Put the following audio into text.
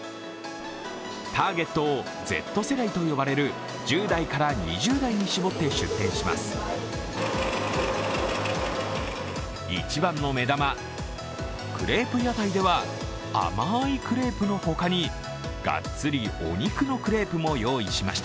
ターゲットをＺ世代と呼ばれる１０代から２０代に絞って出店します。